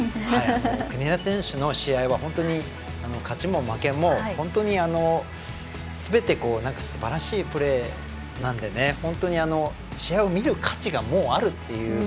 国枝選手の試合は本当に勝ちも負けもすべてすばらしいプレーなので本当に試合を見る価値があるという。